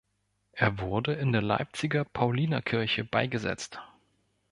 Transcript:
Er wurde in der Leipziger Paulinerkirche beigesetzt.